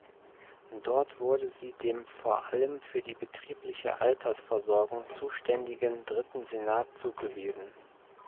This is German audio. Dort wurde sie dem vor allem für die betriebliche Altersversorgung zuständigen Dritten Senat zugewiesen.